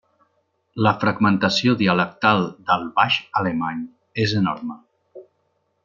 La fragmentació dialectal del baix-alemany és enorme.